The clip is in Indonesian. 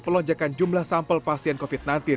pelonjakan jumlah sampel pasien covid sembilan belas